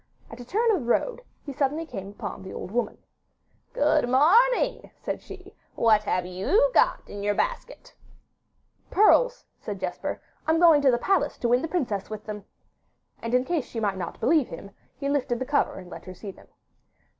At a turn of the road he suddenly came upon the old woman. 'Good morning,' said she; 'what have YOU got in your basket?' 'Pearls,' said Jesper; 'I'm going to the palace to win the princess with them.' And in case she might not believe him, he lifted the cover and let her see them.